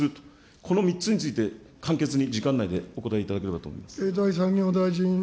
この３つについて、簡潔に時間内でお答えいただければと思います。